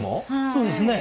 そうですね。